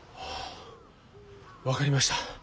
分かりました。